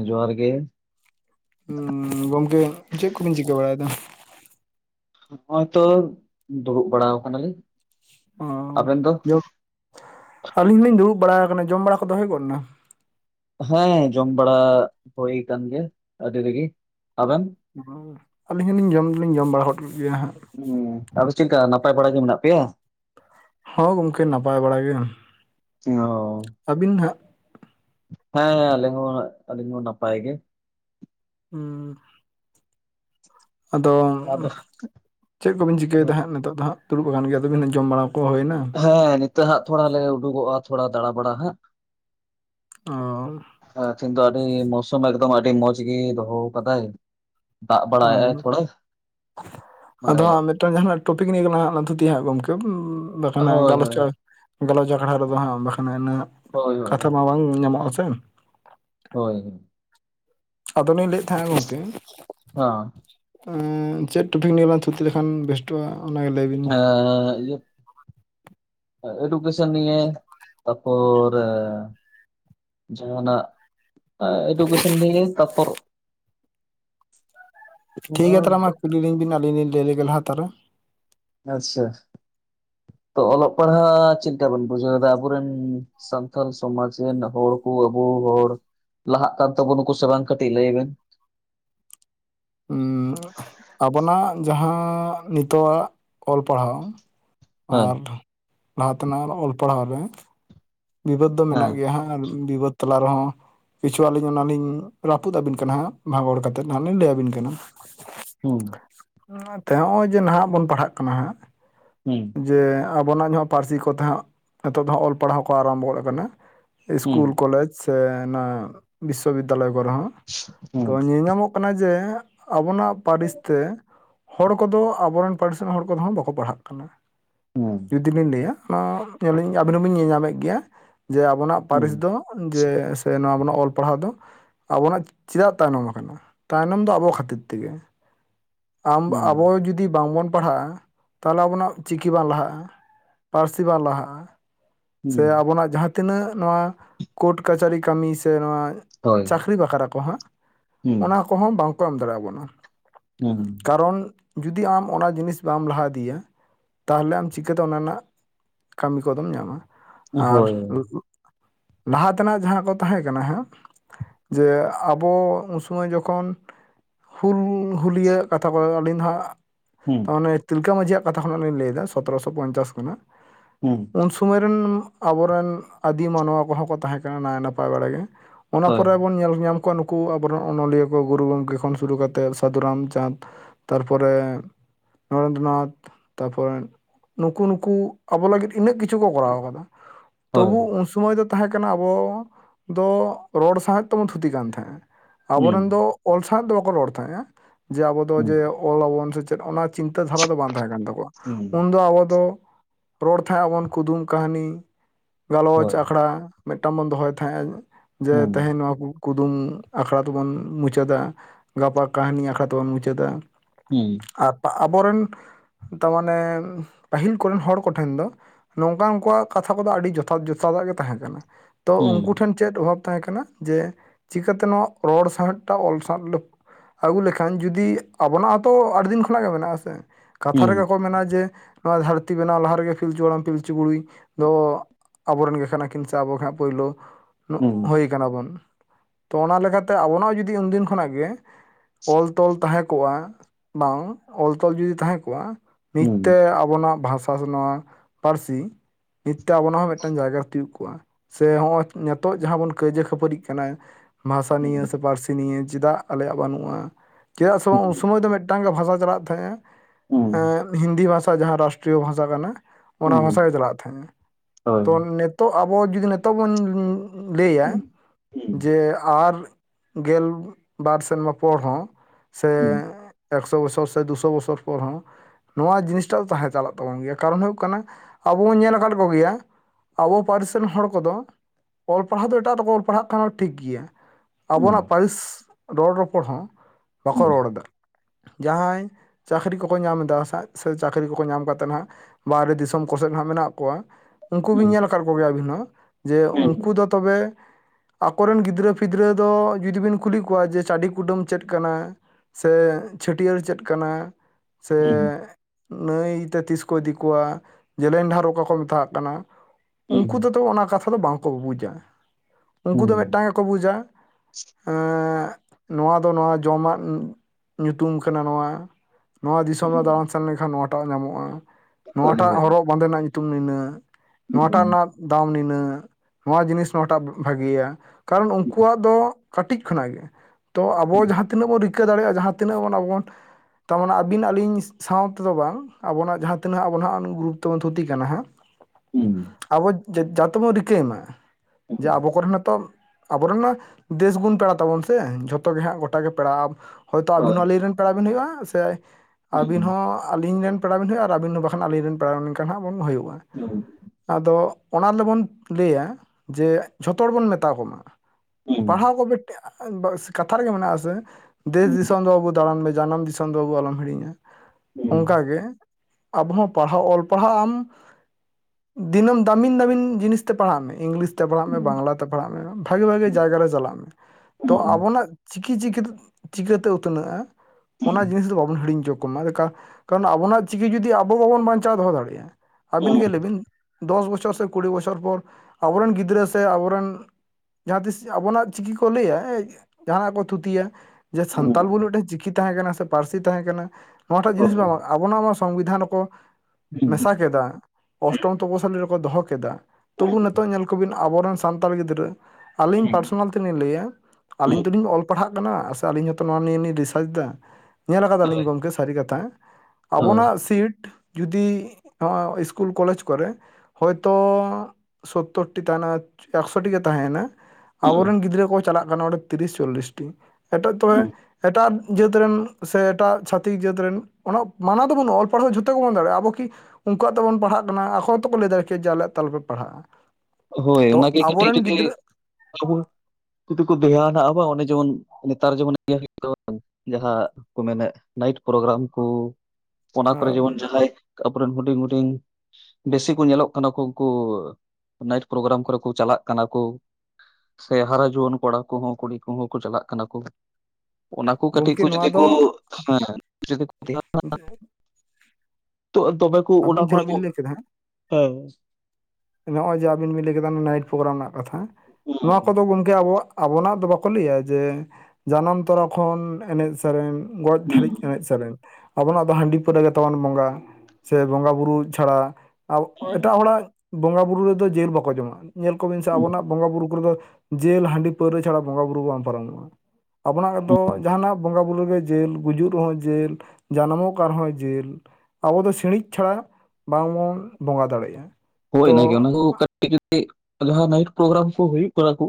ᱡᱚᱦᱟᱨ ᱜᱮ᱾ ᱦᱩᱸ ᱜᱚᱢᱠᱮ ᱪᱮᱜ ᱠᱚᱵᱤᱱ ᱪᱤᱠᱟᱹ ᱵᱟᱲᱟᱭᱫᱟ? ᱦᱚᱸᱜᱼᱚᱭ ᱛᱚ ᱫᱩᱲᱩᱵ ᱵᱟᱲᱟᱣ ᱠᱟᱱᱟᱞᱤᱧ᱾ ᱚ ᱡᱚ ᱟᱹᱞᱤᱧ ᱦᱩᱞᱤᱧ ᱫᱩᱲᱩᱵ ᱵᱟᱲᱟᱣ ᱠᱟᱱᱟ, ᱡᱚᱢ ᱵᱟᱲᱟ ᱠᱚᱫᱚ ᱦᱩᱭ ᱜᱚᱫᱱᱟ? ᱦᱮᱸ ᱡᱚᱢ ᱵᱟᱲᱟ ᱦᱩᱭ ᱠᱟᱱ ᱜᱮᱭᱟ ᱟᱹᱰᱤ ᱨᱮᱜᱤ, ᱟᱵᱮᱱ? ᱟᱹᱞᱤᱧ ᱦᱚᱸᱞᱤᱧ ᱡᱚᱢ ᱫᱩᱞᱤᱧ ᱡᱚᱢ ᱵᱟᱲᱟ ᱦᱚᱫ ᱠᱮᱫ ᱜᱮᱭᱟ ᱦᱟᱸᱜ, ᱦᱩᱸ ᱟᱫᱚ ᱪᱮᱫᱠᱟ ᱱᱟᱯᱟᱭ ᱵᱟᱲᱟ ᱜᱮ ᱢᱮᱱᱟᱜ ᱯᱮᱭᱟ, ᱦᱚᱸ ᱜᱚᱢᱠᱮ ᱱᱟᱯᱟᱭ ᱵᱟᱲᱟ ᱜᱮ, ᱚ ᱟᱹᱵᱤᱱ ᱱᱟᱦᱟᱜ, ᱦᱮᱸ ᱟᱞᱮ ᱦᱚᱸ ᱦᱟᱸᱜ ᱟᱹᱞᱤᱧ ᱦᱚᱸ ᱱᱟᱯᱟᱭ ᱜᱮ, ᱦᱩᱸ ᱟᱫᱚ ᱟᱫᱚ ᱪᱮᱫ ᱠᱚᱵᱤᱱ ᱪᱤᱠᱟᱹᱭᱮᱫᱟ ᱦᱟᱸᱜ ᱱᱤᱛᱚᱜ ᱫᱚ ᱦᱟᱸᱜ, ᱫᱩᱲᱩᱵ ᱟᱠᱟᱱᱜᱮᱭᱟ ᱛᱚᱵᱤᱱ ᱡᱚᱢ ᱵᱟᱲᱟ ᱠᱚ ᱦᱩᱭᱮᱱᱟ, ᱦᱮᱸ ᱱᱤᱛᱚᱜ ᱦᱟᱸᱜ ᱛᱷᱚᱲᱟ ᱞᱮ ᱩᱰᱩᱠᱚᱜᱼᱟ ᱛᱷᱚᱲᱟ ᱫᱟᱬᱟᱵᱟᱬᱟ ᱦᱟᱸᱜ, ᱚ ᱦᱮᱸ ᱛᱤᱦᱤᱱ ᱫᱚ ᱟᱹᱰᱤ ᱢᱳᱥᱩᱢ ᱮᱠᱫᱚᱢ ᱟᱹᱰᱤ ᱢᱚᱸᱡᱽ ᱜᱤ ᱫᱚᱦᱚ ᱠᱟᱫᱟᱭ, ᱫᱟᱜ ᱵᱟᱲᱟᱭᱮᱜ ᱟᱭ ᱛᱷᱚᱲᱟ ᱢᱟᱱᱮ, ᱢᱤᱫ ᱴᱟᱝ ᱡᱟᱦᱟᱸᱱᱟᱜ ᱴᱚᱯᱤᱠ ᱱᱤᱭ ᱜᱮᱞᱟᱝ ᱦᱟᱸᱜ ᱞᱟᱝ ᱛᱷᱩᱛᱤ ᱦᱟᱸᱜ ᱜᱚᱢᱠᱮ ᱵᱟᱠᱷᱟᱱ ᱦᱳᱭ ᱜᱟᱞᱚᱪ ᱦᱳᱭ ᱜᱟᱞᱚᱪ ᱟᱠᱷᱲᱟ ᱨᱮᱫᱚ ᱦᱟᱸᱜ ᱵᱟᱠᱷᱟᱱ ᱤᱱᱟᱹᱜ ᱦᱳᱭ ᱦᱳᱭ ᱠᱟᱛᱷᱟ ᱢᱟ ᱵᱟᱝ ᱧᱟᱢᱚᱜᱼᱟ ᱥᱮ, ᱦᱳᱭ ᱟᱫᱚᱞᱤᱧ ᱞᱟᱹᱭᱮᱫ ᱛᱟᱦᱮᱸᱫ-ᱟ ᱜᱚᱢᱠᱮ, ᱪᱮᱫ ᱴᱚᱯᱤᱠ ᱱᱤᱭᱟᱹ ᱞᱟᱝ ᱛᱷᱩᱛᱤ ᱞᱮᱠᱷᱟᱱ ᱵᱮᱥᱴᱚᱜᱼᱟ, ᱚᱱᱟᱜᱮ ᱞᱟᱹᱭ ᱵᱤᱱ, ᱦᱮᱸ ᱤᱭᱟ, ᱮᱰᱩᱠᱮᱥᱮᱱ ᱱᱤᱭᱮ ᱛᱟᱯᱚᱨ ᱡᱟᱦᱟᱸᱱᱟᱜ, ᱮᱰᱩᱠᱮᱥᱚᱱ ᱱᱤᱭᱟ ᱛᱟᱯᱚᱨ, ᱴᱷᱤᱠ ᱜᱮᱭᱟ ᱛᱟᱦᱚᱞᱮ ᱢᱟ ᱠᱩᱞᱤ ᱞᱤᱧ ᱵᱤᱱ ᱟᱹᱞᱤᱧ ᱞᱤᱧ ᱞᱟᱹᱭ ᱞᱮᱜᱮ ᱞᱟᱦᱟ ᱛᱟᱦᱞᱮ, ᱟᱪᱪᱷᱟ ᱛᱚ ᱚᱞᱚᱜ ᱯᱟᱲᱦᱟ ᱪᱮᱫ ᱞᱮᱠᱟ ᱵᱮᱱ ᱵᱩᱡᱷᱟᱹᱣᱫᱟ ᱟᱵᱚᱨᱮᱱ, ᱥᱟᱱᱛᱟᱞ ᱥᱚᱢᱟᱡᱽ ᱨᱮᱱ ᱟᱵᱚ ᱟᱵᱚ ᱟᱵᱚ ᱦᱚᱲ, ᱞᱟᱦᱟᱜ ᱠᱟᱱ ᱛᱟᱵᱚᱱᱟᱠᱚ ᱥᱮ ᱵᱟᱝ ᱠᱟᱹᱴᱤᱡ ᱞᱟᱹᱭ ᱵᱮᱱ, ᱟᱵᱚᱱᱟᱜ ᱡᱟᱦᱟᱸ ᱱᱤᱛᱚᱜᱟᱜ ᱚᱞ ᱯᱟᱲᱦᱟᱣ, ᱦᱮᱸ ᱟᱨ ᱞᱟᱦᱟ ᱛᱮᱱᱟᱜ ᱚᱞ ᱯᱟᱲᱦᱟᱣ ᱨᱮ, ᱵᱤᱵᱟᱹᱫ ᱫᱚ ᱢᱮᱱᱟᱜ ᱦᱮᱸ ᱜᱮᱭᱟ ᱦᱟᱸᱜ ᱟᱨ ᱵᱤᱵᱟᱹᱫ, ᱛᱟᱞᱟ ᱨᱮᱦᱚᱸ ᱠᱤᱪᱷᱩ ᱟᱹᱞᱤᱧ ᱚᱱᱟ ᱞᱤᱧ ᱨᱟᱹᱯᱩᱫ ᱟᱹᱵᱤᱱ ᱠᱟᱱᱟ ᱦᱟᱸᱜ ᱵᱷᱟᱸᱜᱚᱲ ᱠᱟᱛᱮᱫ ᱦᱟᱸᱜ ᱞᱤᱧ ᱞᱟᱹᱭ ᱟᱹᱵᱤᱱ ᱠᱟᱱᱟ, ᱦᱩᱸ ᱮᱱᱟᱛᱮ ᱦᱚᱸᱜᱼᱚᱭ ᱡᱮ ᱱᱟᱦᱟᱜ ᱵᱚᱱ ᱯᱟᱲᱦᱟᱜ ᱠᱟᱱᱟ ᱦᱟᱸᱜ, ᱦᱩᱸ, ᱡᱮ ᱟᱵᱚᱱᱟᱜ ᱡᱟᱦᱟᱸ ᱯᱟᱹᱨᱥᱤ ᱠᱚ ᱛᱮ ᱦᱟᱸᱜ ᱱᱤᱛᱚᱜ ᱫᱚ ᱚᱞ ᱯᱟᱲᱦᱟᱣ ᱠᱚ ᱟᱨᱟᱢᱵᱷᱚ ᱜᱚᱫ ᱠᱟᱱᱟ, ᱤᱥᱠᱩᱞ ᱦᱩᱸ ᱠᱚᱞᱮᱡᱽ ᱥᱮ ᱚᱱᱟ ᱵᱤᱥᱥᱚ ᱵᱤᱫᱽᱫᱟᱞᱚᱭ ᱠᱚᱨᱮ ᱦᱚᱸ ᱦᱩᱸ ᱛᱚ ᱧᱮᱞᱧᱟᱢᱚᱜ, ᱚᱱᱮ ᱡᱮ ᱟᱵᱚᱱᱟᱜ ᱯᱟᱹᱨᱤᱥ ᱛᱮ, ᱦᱚᱲ ᱠᱚᱫᱚ ᱟᱵᱚᱨᱮᱱ ᱯᱟᱨᱥᱳᱱᱟᱞ ᱦᱚᱲ ᱠᱚᱫᱚ ᱦᱟᱸᱜ ᱵᱟᱠᱚ ᱯᱟᱲᱦᱟᱜ ᱠᱟᱱᱟ, ᱦᱮᱸ, ᱡᱩᱫᱤ ᱵᱤᱱ ᱞᱟᱹᱭᱟ ᱚᱸᱻ ᱧᱮᱞᱤᱧ ᱟᱵᱤᱱ ᱦᱚᱸᱵᱤᱱ ᱧᱮᱞᱧᱟᱢᱮᱫ ᱜᱮᱭᱟ ᱡᱮ ᱟᱵᱚᱱᱟᱜ, ᱯᱟᱹᱨᱤᱥ ᱦᱩᱸ ᱫᱚ ᱡᱮ ᱥᱮ ᱱᱚᱣᱟ ᱟᱵᱚᱱᱟᱜ ᱚᱞ ᱯᱟᱲᱦᱟᱣ ᱫᱚ, ᱟᱵᱚᱱᱟᱜ ᱪᱮᱫᱟᱜ ᱛᱟᱭᱱᱚᱢ ᱟᱠᱟᱱᱟ ᱛᱟᱭᱱᱚᱢ ᱫᱚ ᱟᱵᱚ ᱠᱷᱟᱹᱛᱤᱨ ᱛᱮᱜᱮ, ᱟᱢ ᱟᱵᱚ ᱦᱩᱸ ᱡᱩᱫᱤ ᱵᱟᱝᱵᱚᱱ ᱯᱟᱲᱦᱟᱜᱼᱟ, ᱛᱟᱦᱚᱞᱮ ᱟᱵᱚᱱᱟᱜ ᱪᱤᱠᱤ ᱵᱟᱝ ᱞᱟᱦᱟᱜᱼᱟ, ᱯᱟᱹᱨᱥᱤ ᱵᱟᱝ ᱞᱟᱦᱟᱜᱼᱟ, ᱥᱮ ᱦᱩᱸ ᱟᱵᱚᱱᱟᱜ ᱡᱟᱦᱟᱸ ᱛᱤᱱᱟᱹᱜ ᱱᱚᱣᱟ ᱠᱳᱨᱴ ᱠᱟᱪᱟᱹᱨᱤ ᱠᱟᱹᱢᱤ ᱥᱮ ᱱᱚᱣᱟ ᱦᱳᱭ ᱪᱟ ᱠᱤᱨᱤ ᱵᱟᱠᱷᱨᱟ ᱠᱚᱦᱟᱸᱜ ᱦᱩᱸ ᱚᱱᱟ ᱠᱚᱦᱚᱸ ᱵᱟᱝ ᱠᱚ ᱮᱢ ᱫᱟᱲᱮᱭᱟᱵᱚᱱᱟ, ᱦᱩᱸ ᱠᱟᱨᱚᱱ ᱡᱩᱫᱤ ᱟᱢ ᱚᱱᱟ ᱡᱤᱱᱤᱥ ᱵᱟᱢ ᱞᱟᱦᱟ ᱤᱫᱤᱭᱟ, ᱛᱟᱦᱞᱮ ᱟᱢ ᱪᱤᱠᱟᱹᱛᱮ ᱚᱱᱟ ᱨᱮᱱᱟᱜ ᱠᱟᱹᱢᱤ ᱠᱚᱫᱚᱢ ᱧᱟᱢᱟ? ᱟᱨ ᱦᱳᱭ ᱞᱟᱦᱟ ᱛᱮᱱᱟᱜ ᱡᱟᱦᱟᱸ ᱠᱚ ᱛᱟᱦᱮᱸ ᱠᱟᱱᱟ ᱦᱟᱸᱜ ᱡᱮ ᱟᱵᱚ ᱩᱱ ᱥᱚᱢᱚᱭ ᱡᱚᱠᱷᱚᱱ ᱦᱩᱞ ᱦᱩᱞᱤᱭᱟᱹᱜ ᱠᱟᱛᱷᱟ ᱠᱚ ᱟᱹᱞᱤᱧ ᱫᱚ ᱦᱟᱸᱜ ᱦᱩᱸ ᱢᱚᱱᱮ ᱛᱤᱞᱠᱟᱹ ᱢᱟᱹᱡᱷᱤᱭᱟᱜ ᱠᱟᱛᱷᱟ ᱠᱷᱚᱱᱟᱜ ᱞᱤᱧ ᱞᱟᱹᱭᱫᱟ ᱥᱚᱛᱨᱚ ᱯᱚᱧᱪᱟᱥ ᱠᱷᱚᱱᱟᱜ᱾ ᱦᱩᱸ ᱩᱱ ᱥᱚᱢᱚᱭ ᱨᱮᱱ ᱟᱵᱚᱨᱮᱱ ᱟᱹᱫᱤ ᱢᱟᱱᱣᱟ ᱠᱚᱦᱚᱸ ᱠᱚ ᱛᱟᱦᱮᱸ ᱠᱟᱱᱟ ᱱᱟᱭ ᱱᱟᱯᱟᱭ ᱵᱟᱲᱟ ᱜᱮ᱾ ᱚᱱᱟ ᱦᱳᱭ ᱯᱚᱨᱮ ᱵᱚᱱ ᱧᱮᱞ ᱧᱟᱢ ᱠᱚᱣᱟ ᱱᱩᱠᱩ ᱟᱵᱚᱨᱮᱱ ᱚᱱᱚᱞᱤᱭᱟᱹ ᱠᱚ ᱜᱩᱨᱩ ᱜᱚᱢᱠᱮ ᱠᱷᱚᱱ ᱥᱩᱨᱩ ᱠᱟᱛᱮᱫ ᱥᱟᱹᱫᱷᱩ ᱨᱟᱢᱪᱟᱸᱫᱽ ᱛᱟᱨᱯᱚᱨᱮ ᱱᱚᱨᱮᱱᱫᱨᱚᱱᱟᱛᱷ ᱛᱟᱯᱚᱨᱮ ᱱᱩᱠᱩ ᱱᱩᱠᱩ ᱟᱵᱚ ᱞᱟᱹᱜᱤᱫ ᱤᱱᱟᱹᱜ ᱠᱤᱪᱷᱩ ᱠᱚ ᱠᱚᱨᱟᱣ ᱠᱟᱫᱟ ᱦᱳᱭ ᱛᱚᱵᱩ ᱩᱱ ᱥᱚᱢᱚᱭ ᱫᱚ ᱛᱟᱦᱮᱸ ᱠᱟᱱᱟ ᱟᱵᱚ ᱫᱚ ᱨᱚᱲ ᱥᱟᱶᱦᱮᱫ ᱛᱮᱵᱚᱱ ᱛᱷᱩᱛᱤ ᱠᱟᱱ ᱛᱟᱦᱮᱸᱜᱼᱟ ᱦᱩᱸ ᱟᱵᱚᱨᱮᱱ ᱫᱚ ᱚᱞ ᱥᱟᱶᱦᱮᱫ ᱫᱚ ᱵᱟᱠᱚ ᱨᱚᱲ ᱛᱟᱦᱮᱸᱜᱼᱟ, ᱡᱮ ᱟᱵᱚ ᱫᱚ ᱦᱩᱸ ᱡᱮ ᱚᱞ ᱟᱵᱚᱱ ᱥᱮ ᱪᱮᱫ ᱚᱱᱟ ᱪᱤᱱᱛᱟᱹ ᱫᱷᱟᱨᱟ ᱫᱚ ᱵᱟᱝ ᱛᱟᱦᱮᱸ ᱠᱟᱱ ᱛᱟᱠᱚᱣᱟ ᱦᱩᱸ ᱩᱱ ᱫᱚ ᱟᱵᱚ ᱫᱚ ᱨᱚᱲ ᱛᱟᱦᱮᱸᱜ ᱟᱵᱚᱱ ᱠᱩᱫᱩᱢ ᱠᱟᱹᱦᱱᱤ ᱜᱟᱞᱚᱪ ᱦᱳᱭ ᱟᱠᱷᱲᱟ ᱢᱤᱫᱴᱟᱝ ᱵᱚᱱ ᱫᱚᱦᱚᱭ ᱛᱟᱦᱮᱸᱜᱼᱟ ᱡᱮ ᱦᱩᱸ ᱛᱮᱦᱮᱧ ᱱᱚᱣᱟ ᱠᱚ ᱠᱩᱫᱩᱢ ᱟᱠᱷᱲᱟ ᱫᱚᱵᱚᱱ ᱢᱩᱪᱟᱹᱫᱟ ᱜᱟᱯᱟ ᱠᱟᱹᱦᱱᱤ ᱟᱠᱷᱲᱟ ᱛᱮᱵᱚᱱ ᱢᱩᱪᱟᱹᱫᱟ᱾ ᱦᱩᱸ ᱟᱨ ᱟᱵᱚᱨᱮᱱ ᱛᱟ ᱢᱟᱱᱮ ᱯᱟᱹᱦᱤᱞ ᱠᱚᱨᱮᱱ ᱦᱚᱲ ᱠᱚᱴᱷᱮᱱ ᱫᱚ ᱱᱚᱝᱠᱟᱱ ᱠᱩᱣᱟᱜ ᱠᱟᱛᱷᱟ ᱠᱚᱫᱚ ᱟᱹᱰᱤ ᱡᱚᱛᱷᱟ ᱡᱚᱛᱷᱟᱛᱟᱜ ᱜᱮ ᱛᱟᱦᱮᱸ ᱠᱟᱱᱟ, ᱛᱚ ᱩᱝᱠᱩ ᱴᱷᱮᱱ ᱪᱮᱫ ᱚᱵᱷᱟᱵᱽ ᱛᱟᱦᱮᱸ ᱠᱟᱱᱟ? ᱡᱮ ᱪᱤᱠᱟᱹᱛᱮ ᱱᱚᱣᱟ ᱨᱚᱲ ᱥᱟᱶᱦᱮᱫ ᱴᱟᱜ ᱚᱞ ᱥᱟᱶ ᱞᱟᱠ ᱟᱹᱜᱩ ᱞᱮᱠᱷᱟᱱ ᱡᱩᱫᱤ ᱟᱵᱚᱱᱟᱜ ᱦᱚᱸᱛᱚ ᱟᱹᱰᱤ ᱫᱤᱱ ᱠᱷᱚᱱᱟᱜ ᱜᱮ ᱢᱮᱱᱟᱜᱼᱟ ᱥᱮ᱾ ᱠᱟᱛᱷᱟ ᱨᱮᱜᱮ ᱠᱚ ᱢᱮᱱᱟ ᱡᱮ ᱱᱚᱣᱟ ᱫᱷᱟᱹᱨᱛᱤ ᱵᱮᱱᱟᱣ ᱞᱟᱦᱟ ᱨᱮᱜᱮ ᱯᱤᱞᱪᱩ ᱦᱟᱲᱟᱢ ᱯᱤᱞ ᱪᱩ ᱵᱩᱲᱤ ᱫᱚ ᱟᱵᱚᱨᱮᱱ ᱜᱮ ᱠᱟᱱᱟ ᱠᱤᱱ ᱥᱮ ᱟᱵᱚ ᱜᱮ ᱦᱟᱸᱜ ᱯᱳᱭᱞᱳ ᱱᱩᱜ ᱦᱩᱭ ᱠᱟᱱᱟ ᱵᱚᱱ ᱛᱚ ᱚᱱᱟ ᱞᱮᱠᱟᱛᱮ ᱟᱵᱚᱱᱟᱜ ᱡᱩᱫᱤ ᱩᱱᱫᱤᱱ ᱠᱷᱚᱱᱟᱜ ᱜᱮ ᱚᱞ ᱛᱚᱞ ᱛᱟᱦᱮᱸ ᱠᱚᱜᱼᱟ ᱵᱟᱝ ᱚᱞ ᱛᱚᱞ ᱡᱩᱫᱤ ᱛᱟᱦᱮᱸ ᱠᱚᱜᱼᱟ᱾ ᱱᱤᱛᱛᱮ ᱟᱵᱚᱱᱟᱜ ᱵᱷᱟᱥᱟ ᱥᱮ ᱱᱚᱣᱟ ᱯᱟᱹᱨᱥᱤ ᱱᱤᱛᱛᱮ ᱟᱵᱚᱱᱟᱜ ᱦᱚᱸ ᱢᱤᱫᱴᱟᱱ ᱡᱟᱭᱜᱟ ᱛᱤᱭᱩᱜ ᱠᱚᱜᱼᱟ᱾ ᱥᱮ ᱦᱚᱸᱜᱼᱚ ᱧᱮᱛᱚᱜ ᱡᱟᱦᱟᱸ ᱵᱚᱱ ᱠᱟᱹᱭᱡᱟᱹ ᱠᱷᱟᱹᱯᱟᱹᱨᱤᱜ ᱠᱟᱱᱟ ᱵᱷᱟᱥᱟ ᱱᱤᱭᱮ ᱥᱮ ᱯᱟᱹᱨᱥᱤ ᱱᱤᱭᱮ ᱪᱮᱫᱟᱜ? ᱟᱞᱮᱭᱟᱜ ᱵᱟᱹᱱᱩᱜᱼᱟ, ᱪᱮᱫᱟᱜ ᱥᱮ ᱵᱟᱝ ᱩᱱᱥᱚᱢᱚᱭ ᱫᱚ ᱢᱤᱫᱴᱟᱝ ᱜᱮ ᱵᱷᱟᱥᱟ ᱪᱟᱞᱟᱜ ᱛᱟᱦᱮᱜᱼᱟ ᱮᱸ ᱦᱤᱱᱫᱤ ᱵᱷᱟᱥᱟ ᱡᱟᱦᱟᱸ ᱨᱟᱥᱴᱨᱤᱭᱚ ᱵᱷᱟᱥᱟ ᱠᱟᱱᱟ ᱚᱱᱟ ᱵᱷᱟᱥᱟᱜ ᱪᱟᱞᱟᱜ ᱛᱟᱦᱮᱜᱼᱟ ᱛᱚ ᱱᱤᱛ ᱛᱚ ᱟᱵᱚ ᱡᱩᱫᱤ ᱱᱤᱛᱚᱜ ᱵᱚᱱ ᱞᱟᱹᱭᱟ ᱡᱮ ᱟᱨ ᱜᱮᱞ ᱵᱟᱨ ᱥᱮᱨᱢᱟ ᱯᱚᱨ ᱦᱚᱸ ᱥᱮ ᱮᱠᱥᱚ ᱵᱚᱪᱷᱚᱨ ᱥᱮ ᱫᱩᱥᱚ ᱵᱚᱥᱚᱨ ᱯᱚᱨ ᱦᱚᱸ ᱱᱚᱣᱟ ᱡᱤᱱᱤᱥᱴᱟᱜ ᱫᱚ ᱛᱟᱦᱮᱸ ᱪᱟᱞᱟᱜ ᱛᱟᱵᱚᱱ ᱜᱮᱭᱟ, ᱠᱟᱨᱚᱱ ᱦᱩᱭᱩᱜ ᱠᱟᱱᱟ ᱟᱵᱚ ᱵᱚᱱ ᱧᱮᱞᱟᱠᱟᱫ ᱠᱚᱜᱮᱭᱟ ᱟᱵᱚ ᱯᱟᱹᱨᱤᱥ ᱨᱮᱱ ᱦᱚᱲ ᱠᱚᱫᱚ ᱚᱞ ᱯᱟᱲᱦᱟᱣ ᱫᱚ ᱮᱴᱟᱜ ᱫᱚᱠᱚ ᱚᱞ ᱯᱟᱲᱦᱟᱜ ᱠᱟᱱᱟ ᱴᱷᱤᱠ ᱜᱮᱭᱟ᱾ ᱟᱵᱚᱱᱟᱜ ᱯᱟᱹᱨᱤᱥ ᱨᱚᱲ ᱨᱚᱯᱚᱲ ᱦᱚᱸ ᱵᱟᱠᱚ ᱨᱚᱲᱫᱟ᱾ ᱡᱟᱦᱟᱸᱭ ᱪᱟᱹᱠᱨᱤ ᱠᱚᱠᱚ ᱧᱟᱢᱫᱟ ᱥᱮ ᱪᱟᱹᱠᱨᱤ ᱠᱚᱠᱚ ᱧᱟᱢ ᱠᱟᱛᱮ ᱱᱟᱦᱟᱜ ᱵᱟᱦᱨᱮ ᱫᱤᱥ ᱫᱚᱢ ᱠᱚ ᱥᱮᱫ ᱱᱟᱦᱟᱜ ᱢᱮᱱᱟᱜ ᱠᱚᱣᱟ, ᱩᱱᱠᱩ ᱵᱤᱱ ᱧᱮᱞᱟᱠᱟᱜ ᱠᱚᱜᱮᱭᱟ ᱟᱵᱤᱱ ᱦᱚᱸ ᱡᱮ ᱩᱱᱠᱩ ᱫᱚ ᱛᱚᱵᱮ ᱟᱠᱚᱨᱮᱱ ᱜᱤᱫᱽᱨᱟᱹ-ᱯᱤᱫᱽᱨᱟᱹ ᱫᱚ ᱡᱩᱫᱤ ᱵᱤᱱ ᱠᱩᱞᱤ ᱠᱚᱣᱟ ᱡᱮ ᱪᱟᱹᱰᱤ ᱠᱩᱴᱟᱹᱢ ᱪᱮᱫ ᱠᱟᱱᱟ? ᱥᱮ ᱪᱷᱟᱹᱴᱭᱟᱹᱨ ᱪᱮᱫ ᱠᱟᱱᱟ? ᱥᱮ ᱱᱟᱹᱭᱛᱮ ᱛᱤᱥ ᱠᱚ ᱤᱫᱤ ᱠᱚᱣᱟ? ᱡᱮᱞᱮᱧ ᱰᱟᱦᱟᱨ ᱚᱠᱟ ᱠᱚ ᱢᱮᱛᱟᱜ ᱠᱟᱱᱟ? ᱩᱱᱠᱩ ᱫᱚ ᱛᱚ ᱚᱱᱟ ᱠᱟᱛᱷᱟ ᱫᱚ ᱵᱟᱝᱠᱚ ᱵᱩᱡᱟ᱾ ᱩᱱᱠᱩ ᱫᱚ ᱢᱤᱫᱴᱟᱝ ᱜᱮᱠᱚ ᱵᱩᱡᱟ᱾ ᱮᱸᱻ ᱱᱚᱣᱟ ᱫᱚ ᱱᱚᱣᱟ ᱡᱚᱢᱟᱜ ᱧᱩᱛᱩᱢ ᱠᱟᱱᱟ᱾ ᱱᱚᱣᱟ ᱱᱚᱣᱟ ᱫᱤᱥᱚᱢ ᱨᱮ ᱫᱟᱬᱟᱱ ᱥᱮᱱ ᱞᱮᱱ ᱠᱷᱟᱱ ᱱᱚᱣᱟ ᱴᱟᱜ ᱧᱟᱢᱚᱜᱼᱟ ᱱᱚᱣᱟ ᱴᱟᱜ ᱦᱚᱨᱚᱜ ᱵᱟᱸᱫᱮ ᱨᱮᱱᱟᱜ ᱧᱩᱛᱩᱢ ᱱᱤᱱᱟᱹᱜ᱾ ᱱᱚᱣᱟ ᱴᱟᱜ ᱨᱮᱱᱟᱜ ᱫᱟᱢ ᱱᱤᱱᱟᱹᱜ ᱱᱚᱣᱟ ᱡᱤᱱᱤᱥ ᱱᱚᱣᱟ ᱴᱟᱜ ᱵᱷᱟᱹᱜᱤᱭᱟ᱾ ᱠᱟᱨᱚᱱ ᱩᱱᱠᱩ ᱣᱟᱜ ᱫᱚ ᱠᱟᱹᱴᱤᱡ ᱠᱷᱚᱱᱟᱜ ᱜᱮ ᱛᱚ ᱟᱵᱚ ᱡᱟᱦᱟᱸ ᱛᱤᱱᱟᱹᱜ ᱵᱚᱱ ᱨᱤᱠᱟᱹ ᱫᱟᱲᱮᱭᱟᱜᱼᱟ ᱡᱟᱦᱟᱸ ᱛᱱᱟᱹᱜ ᱵᱚᱱ ᱟᱵᱚᱱ ᱛᱟᱨ ᱢᱟᱱᱮ ᱟᱵᱤᱱ ᱟᱹᱞᱤᱧ ᱥᱟᱶ ᱛᱮᱫᱚ ᱵᱟᱝ ᱟᱵᱚᱱᱟᱜ ᱡᱟᱦᱟᱸ ᱛᱤᱱᱟᱹᱜ ᱟᱵᱚ ᱱᱟᱜ ᱜᱩᱨᱩᱯ ᱛᱮ ᱵᱚᱱ ᱛᱷᱩᱛᱤ ᱠᱟᱱᱟ ᱦᱟᱸᱜ ᱟᱵᱚ ᱡᱟᱛᱮ ᱵᱚᱱ ᱨᱤᱠᱟᱹᱭ ᱢᱟ᱾ ᱡᱮ ᱟᱵᱚ ᱠᱚᱨᱮᱱ ᱦᱚᱸ ᱛᱚ᱾ ᱟᱵᱚ ᱨᱮᱱ ᱢᱟ ᱫᱮᱥ ᱜᱩᱱ ᱯᱮᱲᱟ ᱛᱟᱵᱚᱱ ᱥᱮ ᱡᱷᱚᱛᱚ ᱜᱮ ᱦᱟᱸᱜ ᱜᱚᱴᱟ ᱜᱮ ᱯᱮᱲᱟᱜᱼᱟ ᱦᱳᱭ ᱛᱳ ᱟᱵᱤᱱ ᱦᱚᱸ ᱟᱞᱤᱧ ᱨᱮᱱ ᱯᱮᱲᱟ ᱵᱤᱱ ᱦᱩᱭᱩᱜᱼᱟ ᱥᱮ ᱟᱹᱵᱤᱱ ᱦᱚᱸ ᱟᱹᱞᱤᱧ ᱨᱮᱱ ᱯᱮᱲᱟ ᱵᱤᱱ ᱦᱳᱭᱳᱜᱼᱟ ᱟᱨ ᱟᱹᱵᱤᱱ ᱵᱟᱠᱷᱟᱱ ᱟᱹᱞᱤᱧ ᱨᱮᱱ ᱯᱮᱲᱟ ᱠᱷᱟᱜ ᱦᱟᱸᱜ ᱵᱚᱱ ᱦᱳᱭᱳᱜᱼᱟ᱾ ᱦᱩᱸ ᱟᱫᱚ ᱚᱱᱟ ᱫᱚᱵᱚᱱ ᱞᱟᱹᱭᱟ ᱡᱮ ᱡᱷᱚᱛᱚ ᱦᱚᱲ ᱵᱚᱱ ᱢᱮᱛᱟ ᱠᱚᱢᱟ᱾ ᱯᱟᱲᱦᱟᱣ ᱠᱚ ᱵᱮᱴ ᱠᱟᱛᱷᱟ ᱨᱮᱜᱮ ᱢᱮᱱᱟᱜᱼᱟᱥᱮ ᱫᱮᱥ ᱫᱤᱥᱚᱢ ᱫᱚ ᱵᱟᱵᱚ ᱫᱟᱬᱟᱱ ᱡᱟᱱᱟᱢ ᱫᱤᱥᱚᱢ ᱫᱚᱵᱚ ᱟᱞᱚᱢ ᱦᱤᱲᱤᱧᱟ᱾ ᱚᱱᱠᱟᱜ ᱜᱮ ᱟᱵᱚ ᱦᱚᱸ ᱯᱟᱲᱦᱟᱣ ᱚᱞ ᱯᱟᱲᱦᱟᱣ ᱟᱢ ᱫᱤᱱᱟᱹᱢ ᱫᱟᱹᱟᱢᱤᱱ ᱫᱟᱹᱟᱢᱤᱱ ᱡᱤᱱᱤᱥ ᱛᱮ ᱯᱟᱲᱦᱟᱜ ᱢᱮ ᱤᱝᱞᱤᱥ ᱛᱮ ᱯᱟᱲᱦᱟᱜ ᱢᱮ ᱵᱟᱝᱞᱟᱛᱮ ᱯᱟᱲᱦᱟᱜ ᱢᱮ ᱵᱷᱟᱜᱤ ᱵᱷᱟᱜᱤ ᱡᱟᱭᱜᱟ ᱨᱮ ᱪᱟᱞᱟᱜ ᱢᱮ ᱛᱚ ᱟᱵᱚᱱᱟᱜ ᱪᱤᱠᱤ ᱪᱤᱠᱤᱛᱮ ᱪᱤᱠᱟᱹᱛᱮ ᱩᱛᱱᱟᱹᱜᱼᱟ ᱚᱱᱟ ᱡᱤᱱᱤᱥ ᱫᱚ ᱵᱟᱵᱚᱱ ᱦᱤᱲᱤᱧ [unintelligible] ᱚᱱᱟ ᱞᱮᱠᱟ ᱠᱟᱨᱚᱱ ᱟᱵᱚᱱᱟᱜ ᱪᱤᱠᱤ ᱡᱩᱫᱤ ᱟᱵᱚ ᱵᱟᱵᱚᱱ ᱵᱟᱧᱪᱟᱣ ᱫᱚᱦᱚ ᱫᱟᱲᱮᱭᱟᱜᱼᱟ ᱟᱹᱵᱤᱱ ᱜᱮ ᱞᱮᱵᱤᱱ ᱫᱚᱥ ᱵᱚᱪᱷᱚᱨ ᱥᱮ ᱠᱩᱲᱤ ᱵᱚᱪᱷᱚᱨ ᱯᱚᱨ ᱟᱵᱚᱨᱮᱱ ᱜᱤᱫᱽᱨᱟᱹ ᱥᱮ ᱟᱵᱚᱨᱮᱱ ᱡᱟᱦᱟᱸ ᱛᱤᱥ ᱟᱵᱚᱱᱟᱜ ᱪᱤᱠᱤ ᱠᱚ ᱞᱟᱹᱭᱟ ᱡᱟᱦᱟᱸᱱᱟᱜ ᱠᱚ ᱛᱷᱩᱛᱤᱭᱟ᱾ ᱡᱮ ᱥᱟᱱᱛᱟᱞ ᱵᱚᱞᱮ ᱢᱤᱫᱴᱮᱱ ᱪᱤᱠᱤ ᱛᱟᱦᱮᱸ ᱠᱟᱱᱟ ᱥᱮ ᱯᱟᱹᱨᱥᱤ ᱛᱟᱦᱮᱸ ᱠᱟᱱᱟ ᱱᱚᱣᱟᱴᱟᱜ ᱡᱤᱱᱤᱥ ᱦᱩᱸ, [unintelligible] ᱟᱵᱚᱱᱟᱜ ᱢᱟ ᱥᱚᱝᱵᱤᱫᱷᱟᱱ ᱨᱮᱠᱚ ᱦᱮᱸ, ᱦᱮᱸ, ᱢᱮᱥᱟ ᱠᱮᱫᱟ᱾ ᱚᱥᱴᱚᱢ ᱛᱚᱵᱚ ᱥᱟᱞᱤ ᱨᱮᱠᱚ ᱫᱚᱦᱚ ᱠᱮᱫᱟ ᱛᱚᱵᱩ ᱱᱤᱛᱚᱜ ᱧᱮᱞ ᱠᱚᱵᱤᱱ ᱟᱵᱚᱨᱮᱱ ᱥᱟᱱᱛᱟᱲ ᱜᱤᱫᱽᱨᱟᱹ ᱟᱹᱞᱤᱧ ᱯᱟᱨᱥᱚᱱᱟᱞ ᱞᱤᱧ ᱞᱟᱹᱭᱟ ᱟᱹᱞᱤᱧ ᱛᱚᱞᱤᱧ ᱚᱞ ᱯᱟᱲᱦᱟᱜ ᱠᱟᱱᱟ ᱥᱮ ᱟᱹᱞᱤᱧ ᱦᱚᱸᱛᱚ ᱱᱚᱣᱟ ᱱᱤᱭᱟᱹ ᱞᱤᱧ ᱨᱤᱥᱟᱨᱪ ᱫᱟ᱾ ᱧᱮᱞ ᱦᱳᱭ, ᱦᱳᱭ, ᱦᱩᱸ, ᱦᱩᱸ, ᱠᱟᱫᱟᱞᱤᱧ ᱦᱳᱭ ᱚᱱᱟᱜᱮ ᱜᱚᱝᱠᱮ ᱥᱟᱹᱨᱤ ᱠᱟᱛᱷᱟ ᱟᱵᱚᱱᱟᱜ ᱥᱤᱴ ᱡᱩᱫᱤ ᱱᱚᱣᱟ ᱤᱥᱠᱩᱞ ᱠᱚᱞᱮᱡᱽ ᱠᱚᱨᱮ ᱦᱚᱭᱛᱳ ᱥᱳᱛᱛᱳᱨᱴᱤ ᱛᱟᱦᱮᱸᱱᱟ ᱮᱠᱥᱚ ᱴᱤ ᱜᱮ ᱛᱟᱦᱮᱱᱟ ᱟᱵᱚᱨᱮᱱ ᱜᱤᱫᱽᱨᱟᱹ ᱠᱚ ᱪᱟᱞᱟᱜ ᱠᱟᱱᱟ ᱚᱸᱰᱮ ᱛᱤᱨᱤᱥ ᱪᱚᱞᱞᱤᱥᱴᱤ ᱮᱴᱟᱜ ᱛᱚ ᱮᱴᱟᱜ ᱡᱟᱹᱛ ᱨᱮᱱ ᱥᱮ ᱮᱴᱟᱜ ᱪᱷᱟᱹᱛᱤᱠ ᱡᱟᱹᱛ ᱨᱮᱱ ᱚᱱᱟ ᱢᱟᱱᱟ ᱫᱚ ᱵᱟᱹᱱᱩᱜᱼᱟ ᱚᱞ ᱯᱟᱲᱦᱟᱣ [unintelligible] ᱡᱷᱚᱛᱚ ᱜᱮᱵᱚᱱ ᱫᱟᱲᱮᱭᱟᱜᱼᱟ ᱟᱵᱚ ᱠᱤ ᱩᱱᱠᱩᱣᱟᱜ ᱛᱮᱵᱚᱱ ᱯᱟᱲᱦᱟᱜ ᱠᱟᱱᱟ ᱟᱠᱚ ᱦᱚᱸᱛᱚᱠᱚ ᱞᱟᱹᱭ ᱫᱟᱲᱮ ᱠᱮᱭᱟ ᱡᱮ ᱟᱞᱮᱭᱟᱜ ᱛᱮ ᱟᱞᱮ ᱯᱟᱲᱦᱟᱜᱼᱟ। ᱦᱳᱭ ᱛᱚ ᱚᱱᱟᱜᱮ ᱠᱟᱹᱴᱤᱡ ᱟᱵᱚᱨᱮᱱ ᱡᱩᱫᱤ ᱜᱤᱫᱽᱨᱟᱹ [unintelligible] ᱟᱵᱚ ᱩᱠᱩ ᱫᱚ ᱠᱚ ᱫᱷᱮᱭᱟ ᱱᱟᱜᱼᱟ ᱵᱟ ᱚᱱᱮ ᱡᱮᱢᱚᱱ ᱱᱮᱛᱟᱨ ᱡᱮᱢᱚᱱ ᱤᱭᱟᱹ ᱦᱩᱭᱩᱜ [unintelligible] ᱛᱟᱵᱚᱱ ᱫᱚ ᱡᱟᱦᱟᱸ ᱠᱚ ᱢᱮᱱᱮᱫ ᱱᱟᱭᱤᱴ ᱯᱨᱳᱜᱨᱟᱢ ᱠᱚ ᱚᱱᱟ ᱠᱚᱨᱮ ᱡᱮᱢᱚᱱ ᱦᱮᱸ ᱡᱟᱦᱟᱸᱭ ᱟᱵᱚᱨᱮᱱ ᱦᱩᱰᱤᱧ ᱦᱩᱰᱤᱧ ᱵᱮᱥᱤ ᱠᱚ ᱧᱮᱞᱚᱜ ᱠᱟᱱᱟ ᱠᱚ ᱩᱱᱠᱩ ᱱᱟᱭᱤᱴ ᱯᱨᱳᱜᱨᱟᱢ ᱠᱚᱨᱮ ᱠᱚ ᱪᱟᱞᱟᱜ ᱠᱟᱱᱟ ᱠᱚ᱾ ᱥᱮ ᱦᱟᱨᱟ ᱡᱩᱣᱟᱹᱱ ᱠᱚᱲᱟ ᱠᱚᱦᱚᱸ ᱠᱩᱲᱤ ᱠᱚᱦᱚᱸ ᱠᱚ ᱪᱟᱞᱟᱜ ᱠᱟᱱᱟ ᱠᱚ᱾ ᱚᱱᱟ ᱠᱚ ᱠᱟᱹᱴᱤᱡ ᱠᱚ ᱜᱚᱢᱠᱮ ᱡᱩᱫᱤ ᱱᱚᱣᱟ ᱠᱚ ᱫᱚ ᱦᱮᱸ [unintelligible] ᱡᱩᱫᱤ ᱠᱚ ᱫᱷᱮᱭᱟᱱ ᱱᱟ ᱛᱚ ᱛᱚᱵᱮ ᱠᱚ ᱚᱱᱟ ᱟᱹᱵᱤᱱ ᱠᱚᱨᱮ ᱡᱟᱦᱟᱸ ᱠᱚ ᱵᱤᱱ ᱞᱟᱹᱭ ᱠᱮᱫᱟ ᱦᱮᱸ ᱱᱚᱜᱼᱚᱭ ᱡᱮ ᱟᱵᱤᱱ ᱵᱤᱱ ᱞᱟᱹᱭ ᱠᱮᱫᱟ ᱱᱟᱭᱤᱴ ᱯᱨᱳᱜᱨᱟᱢ ᱨᱮᱱᱟᱜ ᱠᱟᱛᱷᱟ ᱦᱩᱸ ᱱᱚᱣᱟ ᱠᱚᱫᱚ ᱜᱚᱝᱠᱮ ᱟᱵᱚᱣᱟᱜ ᱟᱵᱚᱱᱟᱜ ᱫᱚ ᱵᱟᱠᱚ ᱞᱟᱹᱭᱟ ᱡᱮ ᱡᱟᱱᱟᱢ ᱛᱚᱨᱟ ᱠᱷᱚᱱ ᱮᱱᱮᱡ ᱥᱮᱨᱮᱧᱼᱼ ᱜᱚᱡ ᱦᱩᱸ ᱫᱷᱟᱹᱨᱤᱡ ᱮᱱᱮᱡ ᱥᱮᱨᱮᱧ। ᱟᱵᱚᱱᱟᱜ ᱫᱚ ᱦᱟᱺᱰᱤ ᱯᱟᱹᱣᱨᱟᱹ ᱜᱮ ᱛᱟᱵᱚᱱ ᱵᱚᱸᱜᱟ ᱥᱮ ᱵᱚᱸᱜᱟ ᱵᱩᱨᱩ ᱪᱷᱟᱲᱟ ᱮᱴᱟᱜ ᱦᱚᱲᱟᱜ, ᱵᱚᱸᱜᱟᱼᱵᱩᱨᱩ ᱨᱮᱫᱚ ᱡᱮᱞ ᱵᱟᱠᱚ ᱡᱚᱢᱟ ᱧᱮᱞ ᱠᱚᱵᱤᱱ ᱥᱮ ᱟᱵᱚᱱᱟᱜ ᱵᱚᱸᱜᱟᱼᱵᱩᱨᱩ ᱠᱚᱨᱮ ᱫᱚ, ᱡᱮᱞ ᱦᱟᱺᱰᱤ ᱯᱟᱹᱣᱨᱟᱹ ᱪᱷᱟᱲᱟ ᱵᱚᱸᱜᱟ ᱵᱩᱨᱩ ᱵᱟᱝ ᱯᱟᱨᱚᱢᱚᱜᱼᱟ ᱟᱵᱚᱱᱟᱜ ᱦᱩᱸ ᱫᱚ ᱡᱟᱦᱱᱟᱜ ᱵᱚᱸᱜᱟ ᱵᱩ ᱩᱱᱜᱮ ᱡᱮᱞ ᱜᱩᱡᱩᱜ ᱨᱮᱦᱚᱸ ᱡᱮᱞ ᱡᱟᱱᱟᱢᱚᱜ ᱠᱟᱱ ᱨᱮᱦᱚᱸᱭ ᱡᱮᱞ, ᱟᱵᱚ ᱫᱚ ᱥᱤᱬᱤᱡ ᱪᱷᱟᱲᱟ ᱵᱟᱝᱵᱚᱱ ᱵᱚᱸᱜᱟ ᱫᱟᱲᱮᱭᱟᱜᱼᱟ। ᱦᱳᱭ ᱛᱚ ᱚᱱᱟᱜᱮ ᱚᱱᱟ ᱠᱚ ᱠᱟᱹᱴᱤᱡ ᱡᱩᱫᱤ ᱡᱟᱦᱟᱸ ᱱᱟᱭᱤᱴ ᱯᱨᱳᱜᱨᱟᱢ ᱠᱩ ᱦᱩᱭᱩᱜ ᱠᱟᱱᱟ ᱠᱩ,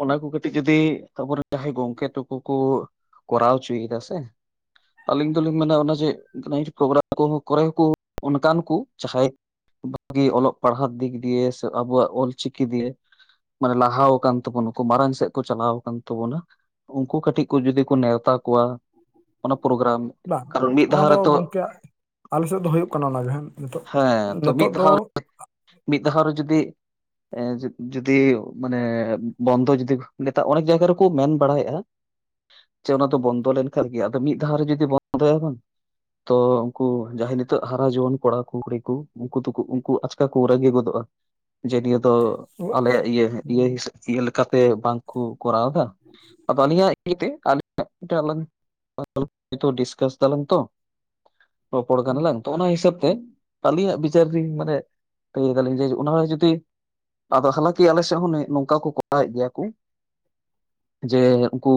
ᱚᱱᱟ ᱠᱚ ᱠᱟᱹᱴᱤᱡ ᱡᱚᱫᱤ ᱟᱵᱚᱨᱮᱱ ᱡᱟᱦᱟᱸᱭ ᱜᱚᱢᱠᱮ ᱛᱟᱠᱚ ᱠᱚ ᱠᱚᱨᱟᱣ ᱦᱚᱪᱚᱭᱮᱫᱟ ᱥᱮ, ᱟᱹᱞᱤᱧ ᱫᱚᱞᱤᱧ ᱢᱮᱱᱟ ᱚᱱᱟ ᱡᱮ ᱠᱟᱺᱡ ᱠᱳᱵᱨᱟ ᱠᱚᱦᱚᱸ ᱠᱚᱨᱮ ᱜᱮ ᱠᱩ ᱚᱱᱠᱟᱱ ᱠᱩ ᱡᱟᱦᱟᱸᱭ, ᱵᱷᱟᱜᱤ ᱚᱞᱚᱜ ᱯᱟᱲᱦᱟᱜ ᱫᱤᱠ ᱫᱤᱭᱮ ᱥᱮ ᱟᱵᱚᱣᱟᱜ ᱚᱞᱪᱤᱠᱤ ᱫᱤᱭᱮ, ᱢᱟᱱᱮ ᱞᱟᱦᱟᱣ ᱟᱠᱟᱱ ᱛᱟᱵᱚᱱᱟᱠᱚ ᱢᱟᱲᱟᱝ ᱥᱮᱫ ᱠᱚ ᱪᱟᱞᱟᱣ ᱟᱠᱟᱱ ᱛᱟᱵᱚᱱᱟ ᱩᱱᱠᱩ ᱠᱟᱹᱴᱤᱡ ᱠᱚ ᱡᱩᱫᱤ ᱠᱚ ᱱᱮᱣᱛᱟ ᱠᱚᱣᱟ ᱚᱱᱟ ᱯᱨᱳᱜᱨᱟᱢ, ᱵᱟ ᱠᱟᱨᱚᱱ ᱢᱤᱫ ᱚᱱᱟ ᱫᱷᱟᱣ ᱫᱚ ᱨᱮᱛᱚ ᱜᱚᱢᱠᱮ ᱟᱞᱮ ᱥᱮᱫ ᱫᱚ ᱦᱩᱭᱩᱜ ᱠᱟᱱᱟ ᱚᱱᱟᱜᱮ ᱦᱮᱸ ᱦᱮᱸ ᱛᱚ ᱱᱤᱛᱳᱜ ᱢᱤᱫ ᱫᱷᱟᱣ ᱨᱮ ᱢᱤᱫ ᱫᱷᱟᱣ ᱨᱮ ᱡᱩᱫᱤ, ᱮᱸ ᱡᱩᱫᱤ ᱢᱟᱱᱮ ᱵᱚᱱᱫᱚ ᱡᱩᱫᱤ ᱱᱮᱛᱟᱨ ᱚᱱᱮᱠ ᱡᱟᱭᱜᱟ ᱨᱮᱠᱚ ᱢᱮᱱ ᱵᱟᱲᱟᱭᱮᱜᱼᱟ, [unintelligible] ᱡᱮ ᱚᱱᱟ ᱫᱚ ᱵᱚᱱᱫᱚ ᱞᱮᱱᱠᱷᱟᱱ ᱜᱮ ᱟᱫᱚ ᱢᱤᱫ ᱫᱷᱟᱣ ᱨᱮ ᱡᱩᱫᱤ ᱵᱚᱱᱫᱚᱭᱟᱭ ᱵᱟᱝ, ᱛᱚ ᱩᱱᱠᱩ ᱡᱟᱦᱟᱸᱭ ᱱᱤᱛᱚᱜ ᱦᱟᱨᱟ ᱡᱩᱣᱟᱹᱱ ᱠᱚᱲᱟᱠᱩ ᱠᱩᱲᱤ ᱠᱩ, ᱩᱱᱠᱩ ᱫᱚᱠᱩ ᱩᱱᱠᱩ ᱟᱪᱠᱟ ᱠᱚ ᱨᱟᱹᱜᱤ ᱜᱚᱫᱚᱜᱼᱟ। ᱡᱮ ᱱᱤᱭᱟᱹ ᱫᱚ ᱟᱞᱮᱭᱟᱜ ᱤᱭᱟᱹ ᱤᱭᱟᱹ ᱤᱭᱟᱹ ᱞᱮᱠᱟᱛᱮ ᱵᱟᱝ, ᱠᱚ ᱠᱚᱨᱟᱣ ᱫᱟ, ᱟᱫᱚ ᱟᱹᱞᱤᱧᱟᱜ ᱤᱭᱟᱹᱭ ᱛᱮ ᱟᱞᱤᱧ [inaudible] ᱰᱤᱥᱠᱟᱥ ᱫᱟᱞᱟᱝ ᱛᱚ, ᱨᱚᱯᱚᱲ ᱠᱟᱱᱟ ᱞᱟᱝ ᱛᱚ ᱚᱱᱟ ᱦᱤᱥᱟᱹᱵ ᱛᱮ ᱟᱹᱞᱤᱧᱟᱜ ᱵᱤ ᱡᱟᱹᱨᱨᱤ ᱢᱟᱱᱮ ᱞᱟᱹᱭ ᱫᱟᱞᱤᱧ ᱡᱮ ᱚᱱᱟ ᱦᱚᱸ ᱡᱩᱫᱤ, ᱟᱫᱚ ᱦᱟᱞᱟᱠᱤ ᱟᱞᱮ ᱥᱮᱫ ᱦᱚᱸ ᱱᱚᱝᱠᱟ ᱠᱚ ᱠᱚᱨᱟᱣᱮᱫ ᱜᱮᱭᱟ ᱠᱩ, ᱡᱮ ᱩᱱᱠᱩ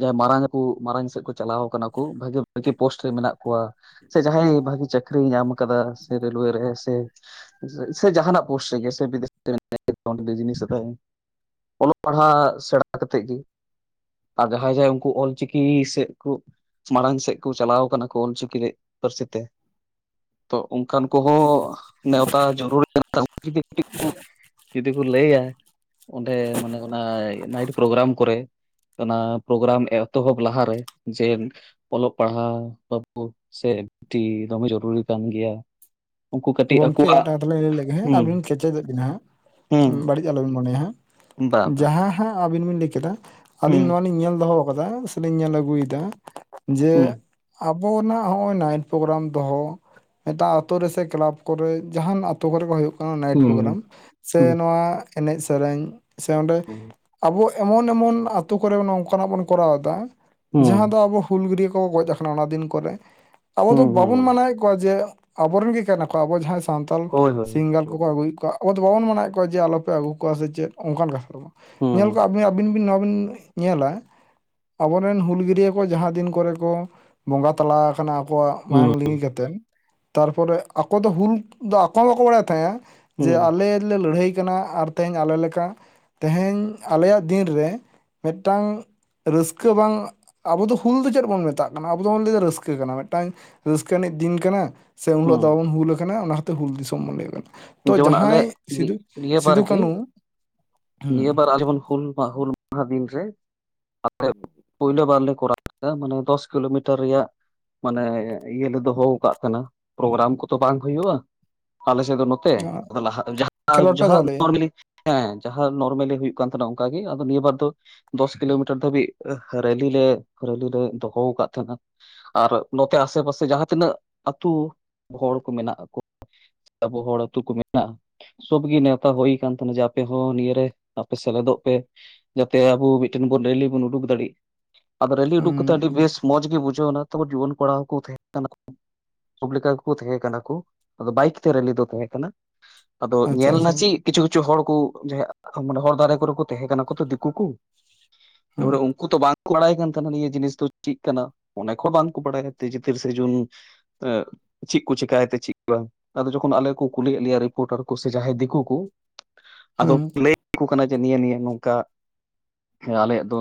ᱡᱟᱦᱟᱸᱭ ᱢᱟᱨᱟᱝ ᱠᱚ ᱢᱟᱸᱲᱟᱝ ᱥᱮᱫ ᱠᱚ ᱪᱟᱞᱟᱣ ᱠᱟᱱᱟ ᱠᱚ ᱵᱷᱟᱜᱤ ᱵᱷᱟᱜᱤ, ᱯᱳᱥᱴ ᱨᱮ ᱢᱮᱱᱟᱜ ᱠᱚᱣᱟ ᱥᱮ ᱡᱟᱦᱟᱸᱭ ᱵᱷᱟᱹᱜᱤ ᱪᱟᱹᱠᱨᱤᱭ ᱧᱟᱢ ᱠᱟᱫᱟ ᱥᱮ ᱨᱮᱹᱞᱣᱮ ᱨᱮ, ᱥᱮ ᱡᱟᱦᱟᱸᱱᱟᱜ ᱯᱳᱥᱴ ᱨᱮ ᱜᱮ ᱥᱮ [unintelligible] ᱵᱤᱫᱮᱥ ᱨᱮ ᱵᱤᱡᱱᱮᱥ ᱟᱛᱮ ᱚᱞᱚᱜ ᱯᱟᱲᱦᱟᱜ ᱥᱮᱬᱟ ᱠᱟᱛᱮᱜ ᱜᱮ, ᱟᱨ ᱡᱟᱦᱟᱸᱭ ᱡᱟᱦᱟᱸᱭ ᱩᱱᱠᱩ ᱚᱞᱪᱤᱠᱤ ᱥᱮᱫ ᱠᱩ ᱢᱟᱲᱟᱝ ᱥᱮᱫ ᱠᱚ ᱪᱟᱞᱟᱣ ᱠᱟᱱᱟ ᱠᱚ ᱚᱞᱪᱤᱠᱤ ᱨᱮ ᱯᱟᱹᱨᱥᱤ ᱛᱮ, ᱛᱚ ᱚᱱᱠᱟᱱ ᱠᱚᱦᱚᱸ ᱱᱮᱣᱛᱟ ᱡᱟᱹᱨᱩᱲ [unintelligible] ᱠᱟᱱᱟ ᱩᱱᱠᱩ ᱠᱚᱜᱮ ᱛᱚ ᱡᱩᱫᱤ ᱠᱚ ᱞᱟᱹᱭᱟ ᱚᱸᱰᱮ ᱢᱟᱱᱮ ᱚᱱᱟ ᱱᱟᱭᱤᱴ ᱯᱨᱳᱜᱨᱟᱢ ᱠᱚᱨᱮ, ᱚᱱᱟ ᱯᱨᱳᱜᱨᱟᱢ ᱮᱛᱚᱦᱚᱵ ᱞᱟᱦᱟᱨᱮ ᱡᱮ, ᱚᱞᱚᱜ ᱯᱟᱲᱦᱟᱣ ᱯᱟᱵᱵᱚ ᱥᱮ ᱴᱷᱤ ᱫᱚᱢᱮ ᱡᱚᱨᱩᱨᱤ ᱠᱟᱱ ᱜᱮᱭᱟ, ᱩᱱᱠᱩ ᱠᱟᱹᱴᱤᱡ ᱜᱚᱢᱠᱮ ᱟᱠᱚᱣᱟᱜ ᱢᱤᱫᱴᱟᱝ ᱠᱟᱛᱷᱟ ᱞᱤᱧ ᱞᱟᱹᱭ ᱞᱮᱫ ᱜᱮ ᱦᱟᱸᱜ ᱦᱩᱸ ᱟᱹᱵᱤᱱᱤᱧ ᱠᱮᱪᱮᱫᱚᱜ ᱵᱤᱱᱟ ᱦᱟᱸᱜ ᱦᱩᱸ ᱵᱟᱹᱲᱤᱡ ᱟᱞᱚᱵᱤᱱ ᱢᱚᱱᱮᱭ ᱦᱟᱸᱜ, ᱵᱟ ᱵᱟ ᱡᱟᱦᱟᱸ ᱦᱟᱸᱜ ᱟᱵᱤᱱ ᱵᱤᱱ ᱞᱟᱹᱭ ᱠᱮᱫᱟ ᱟᱹᱞᱤᱧ ᱦᱩᱸ ᱱᱚᱣᱟ ᱞᱤᱧ ᱧᱮᱞ ᱫᱚᱦᱚ, ᱠᱟᱫᱟ ᱥᱮ ᱞᱤᱧ ᱧᱮᱞ ᱟᱹᱜᱩᱭᱮᱫᱟ ᱡᱮ, ᱦᱩᱸ ᱟᱵᱚᱱᱟᱜ ᱦᱚᱸᱜᱼᱚᱭ ᱱᱟᱭᱤᱴ ᱯᱨᱳᱜᱨᱟᱢ ᱫᱚᱦᱚ ᱢᱤᱫᱴᱟᱝ ᱟᱛᱳ ᱨᱮᱥᱮ ᱠᱞᱟᱵᱽ ᱠᱚᱨᱮ ᱡᱟᱦᱟᱸᱱᱟᱜ, ᱟᱛᱳ ᱠᱚᱨᱮ ᱠᱚ ᱦᱩᱭᱩᱜ ᱠᱟᱱᱟ ᱱᱟᱭᱤᱴ ᱦᱩᱸ ᱯᱨᱳᱜᱨᱟᱢ ᱥᱮ ᱦᱩᱸ ᱱᱚᱣᱟ ᱮᱱᱮᱡ ᱥᱮᱨᱮᱧ, ᱥᱮ ᱚᱸᱰᱮ ᱟᱵᱚ ᱮᱢᱚᱱ ᱮᱢᱚᱱ ᱟᱛᱳ ᱠᱚᱨᱮ ᱱᱚᱝᱠᱟᱱᱟᱜ ᱵᱚᱱ ᱠᱚᱨᱟᱣᱫᱟ, ᱦᱩᱸ ᱡᱟᱦᱟᱸ ᱫᱚ ᱟᱵᱚ ᱦᱩᱞᱜᱟᱹᱨᱭᱟᱹ ᱠᱚᱠᱚ ᱜᱚᱡ ᱟᱠᱟᱱᱟ ᱚᱱᱟ ᱫᱤᱱ ᱠᱚᱨᱮ, ᱟᱵᱚ ᱫᱚ ᱦᱩᱸ ᱦᱩᱸ ᱵᱟᱵᱚᱱ ᱢᱟᱱᱟᱣᱮᱫ ᱠᱚᱣᱟ ᱡᱮ, ᱟᱵᱚᱨᱮᱱ ᱜᱮ ᱠᱟᱱᱟ ᱠᱚ ᱟᱵᱚ ᱡᱟᱦᱟᱸᱭ ᱥᱟᱱᱛᱟᱞ ᱦᱳᱭ ᱦᱳᱭ ᱥᱤᱝᱜᱟᱨ, ᱩᱱᱠᱩ ᱦᱩᱸ ᱠᱚ ᱟᱹᱜᱩᱭᱮᱫ ᱠᱚᱣᱟ ᱟᱵᱚ ᱫᱚ ᱵᱟᱵᱚᱱ ᱢᱟᱱᱟᱭᱮᱫᱠᱚᱣᱟ ᱡᱮ ᱟᱞᱯᱮ ᱟᱹᱜᱩ ᱠᱚᱣᱟ ᱥᱮ ᱪᱮᱫ, ᱚᱱᱠᱟᱱ ᱠᱟᱛᱷᱟ ᱫᱚ ᱧᱮᱞ ᱠᱚᱜᱼᱟ ᱟᱹᱵᱤᱱ ᱵᱤᱱ ᱱᱚᱣᱟᱵᱤᱱ, ᱧᱮᱞᱟ ᱟᱵᱚᱨᱮᱱ ᱦᱩᱞᱜᱟᱹᱨᱭᱟᱹ ᱠᱚ ᱡᱟᱦᱟᱸ ᱫᱤᱱ ᱠᱚᱨᱮ ᱠᱚ ᱵᱚᱸᱜᱟ ᱛᱟᱞᱟ ᱟᱠᱟᱱᱟ, ᱟᱠᱚᱣᱟᱜ ᱦᱩᱸ ᱢᱟᱭᱟᱝ ᱞᱤᱸᱜᱤ ᱠᱟᱛᱮᱱ ᱛᱟᱨᱯᱚᱨᱮ ᱟᱠᱚ ᱫᱚ ᱦᱩᱞ ᱫᱚ ᱟᱠᱚ ᱦᱚᱸ ᱵᱟᱠᱚ ᱵᱟᱲᱟᱭᱮᱫ ᱛᱟᱦᱮᱸᱼᱟ᱾ ᱡᱮ ᱦᱩᱸ ᱟᱞᱮ ᱞᱮ ᱞᱟᱹᱲᱦᱟᱹᱭ ᱠᱟᱱᱟ ᱟᱨ ᱛᱮᱦᱤᱧ ᱟᱞᱮ ᱞᱮᱠᱟ ᱛᱮᱦᱮᱧ ᱟᱞᱮᱭᱟᱜ ᱫᱤᱱᱨᱮ, ᱢᱤᱫᱴᱟᱝ ᱨᱟᱹᱥᱠᱟᱹ ᱵᱟᱝ ᱟᱵᱚ ᱫᱚ ᱦᱩᱞ ᱫᱚ ᱪᱮᱫ ᱵᱚᱱ ᱢᱮᱛᱟᱜ ᱠᱟᱱᱟ, ᱟᱵᱚ ᱫᱚᱵᱚᱱ ᱞᱟᱹᱭᱫᱟ ᱨᱟᱹᱥᱠᱟᱹ ᱠᱟᱱᱟ ᱢᱤᱫᱴᱟᱝ ᱨᱟᱹᱥᱠᱟᱹ ᱟᱹᱱᱤᱡ ᱫᱤᱱ ᱠᱟᱱᱟ, ᱥᱮ ᱩᱱ ᱦᱤᱞᱳᱜ ᱫᱚ ᱵᱟᱵᱚᱱ ᱦᱩᱸ ᱦᱩᱞ ᱠᱟᱱᱟ ᱚᱱᱟ ᱦᱚᱛᱮ ᱦᱩᱞ ᱫᱤᱥᱚᱢ ᱵᱚᱱ ᱞᱟᱹᱭᱟᱜ ᱠᱟᱱᱟ᱾ ᱛᱚ ᱡᱮᱢᱚᱱ ᱟᱞᱮ ᱡᱟᱦᱟᱸᱭ ᱥᱤᱫᱩ ᱱᱤ-ᱱᱤᱭᱟᱹ ᱵᱟᱨ ᱥᱤᱫᱩ ᱜᱤ ᱠᱟᱹᱱᱩ ᱱᱤᱭᱟᱹ ᱦᱩᱸ ᱵᱟᱨ ᱡᱮᱢᱚᱱ ᱦᱩᱞ ᱚᱣᱟ ᱦᱩᱞ ᱢᱟᱦᱟ ᱫᱤᱱ ᱨᱮ [inaudible] ᱯᱩᱭᱞᱩ ᱵᱟᱨ ᱞᱮᱨᱟᱣ ᱟ ᱢᱟᱱᱮ ᱫᱚᱥ ᱠᱤᱞᱳᱢᱤᱴᱟᱨ ᱨᱮᱭᱟᱜ ᱢᱟᱱᱮ ᱤᱭᱟᱹᱞᱮ ᱫᱚᱦᱚ ᱠᱟᱫ ᱛᱟᱦᱱᱟ, ᱯᱨᱚᱜᱨᱟᱢ ᱠᱚᱫᱚ ᱵᱟᱝ ᱦᱩᱭᱩᱜᱼᱟ, ᱟᱞᱮᱥᱮᱫ ᱫᱚ ᱱᱚ ᱛᱮ ᱠᱷᱮᱞᱳᱰ ᱯᱮ ᱫᱚᱦᱚ ᱞᱮᱫᱼᱟ [inaudible] ᱦᱮᱸ ᱡᱟᱦᱟᱸ ᱱᱚᱨᱢᱮᱞᱤ ᱦᱩᱭᱩᱜ ᱠᱟᱱ ᱛᱟᱦᱮᱱᱟ ᱚᱝᱠᱟᱜ ᱜᱮ, ᱟᱫᱚ ᱱᱤᱭᱟᱹ ᱵᱟᱨ ᱫᱚ ᱫᱚᱥ ᱠᱤᱞᱳᱢᱤᱴᱟᱨ ᱫᱷᱟᱹᱵᱤᱜ ᱨᱮᱞᱤ ᱞᱮ ᱨᱮᱞᱤ ᱞᱮ ᱫᱚᱦᱚ ᱠᱟᱫ ᱛᱟᱦᱮᱸᱱᱟ᱾ ᱟᱨ ᱱᱚᱛᱮ ᱟᱥᱮ ᱯᱟᱥᱮ ᱡᱟᱦᱟᱸ ᱛᱤᱱᱟᱹᱜ ᱟᱹᱛᱩ ᱦᱚᱲ ᱠᱚ ᱢᱮᱱᱟᱜ ᱠᱚ᱾ ᱟᱵᱚ ᱦᱚᱲ ᱟᱹᱛᱩ ᱠᱚ ᱢᱮᱱᱟᱜᱼᱟ᱾ ᱥᱚᱵ ᱜᱮ ᱱᱮᱶᱛᱟ ᱦᱳᱭ ᱠᱟᱱ ᱛᱟᱦᱮᱱᱟ, ᱡᱮ ᱟᱯᱮ ᱦᱚᱸ ᱱᱤᱭᱟᱹᱨᱮ ᱟᱯᱮ ᱥᱮᱞᱮᱫᱚᱜ ᱯᱮ᱾ ᱡᱟᱛᱮ ᱟᱵᱚ ᱢᱤᱫᱴᱮᱱ ᱵᱚᱱ ᱨᱮᱞᱤ ᱵᱚᱱ ᱩᱰᱩᱠ ᱫᱟᱲᱮᱜ ᱟᱫᱚ ᱨᱮᱞᱤ ᱦᱩᱸ ᱩᱰᱩᱠ ᱠᱟᱛᱮᱜ ᱟᱹᱰᱤ ᱵᱮᱥ᱾ ᱢᱚᱸᱡᱽ ᱜᱮ ᱵᱩᱡᱷᱟᱹᱣ ᱚᱱᱟ ᱛᱚ ᱡᱩᱣᱚᱱ ᱠᱚᱲᱟ ᱦᱚ ᱠᱚ ᱛᱟᱦᱮᱸ ᱠᱟᱱᱟ᱾ ᱥᱚᱵ ᱞᱮᱠᱟ ᱜᱮᱠᱚ ᱛᱟᱦᱮᱸ ᱠᱟᱱᱟ ᱠᱩ ᱟᱫᱚ ᱵᱟᱭᱤᱠ ᱛᱮ ᱨᱮᱞᱤ ᱫᱚ ᱛᱟᱦᱮᱸ ᱠᱟᱱᱟ, ᱟᱫᱚ ᱟᱪᱪᱷᱟ ᱧᱮᱞ ᱱᱟ ᱟᱪᱪᱷᱟ ᱪᱮᱜ ᱠᱤᱪᱷᱩ-ᱠᱤᱪᱷᱩ ᱦᱚᱲ ᱠᱩ ᱢᱟᱱᱮ ᱦᱚᱲ ᱫᱟᱨᱮ ᱠᱚᱨᱮ ᱠᱚ ᱛᱟᱦᱮᱸ ᱠᱟᱱᱟ ᱠᱚ ᱛᱚ ᱫᱤᱠᱩ ᱠᱩ ᱦᱩᱸ [unintelligible] ᱩᱝᱠᱩ ᱛᱚ ᱵᱟᱝ ᱵᱟᱲᱟᱭ ᱠᱟᱱ ᱛᱟᱦᱮᱱᱟ ᱱᱤᱭᱟᱹ ᱡᱤᱱᱤᱥ ᱫᱚ ᱪᱤᱜ ᱠᱟᱱᱟ, ᱚᱱᱮᱠ ᱦᱚᱸ ᱵᱟᱝᱠᱚ ᱵᱟᱲᱟᱭᱟ ᱛᱤᱡᱮ ᱛᱤᱨᱤᱥᱮ ᱡᱩᱱ [unintelligible] ᱪᱤᱜ ᱠᱩ ᱪᱮᱞᱤᱠᱟᱭᱛᱮ ᱪᱤᱜ ᱵᱟᱝ, ᱟᱫᱚ ᱡᱚᱠᱷᱚᱱ ᱟᱞᱮ ᱠᱩ ᱠᱩᱞᱤᱭᱮᱫ ᱞᱮᱭᱟ ᱨᱤᱯᱳᱴᱟᱨ ᱠᱚ ᱥᱮ ᱡᱟᱦᱟᱸᱭ ᱫᱤᱠᱩ ᱠᱚ ᱟᱫᱚ ᱦᱩᱸ ᱞᱟᱹ ᱠᱩ ᱠᱟᱱᱟ ᱡᱮ ᱱᱤᱭᱟᱹ ᱱᱤᱭᱟᱹ ᱱᱚᱝᱠᱟ ᱟᱞᱮᱭᱟᱜ ᱫᱚ